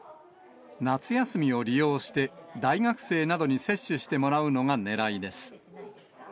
夏休みを利用して、大学生などに接種してもらうのがねらいです。